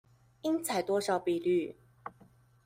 應採多少比率